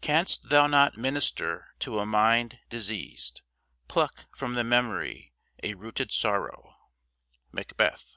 Canst thou not minister to a mind diseased, Pluck from the memory a rooted sorrow? MACBETH.